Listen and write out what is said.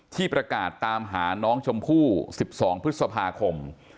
ที่ประกาศตามหาน้องชมพู่๑๒พฤษภาคม